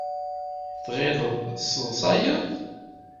Tɣileḍ tesseḍsayeḍ?